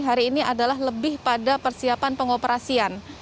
hari ini adalah lebih pada persiapan pengoperasian